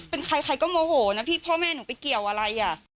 เป็นใครใครก็โมโหนะพี่พ่อแม่หนูไปเกี่ยวอะไรอ่ะ